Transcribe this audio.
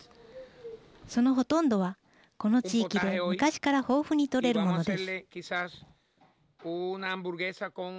そのほとんどはこの地域で昔から豊富にとれるものです。